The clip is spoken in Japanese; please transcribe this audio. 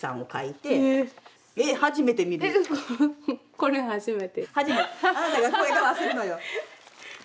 これ初めて。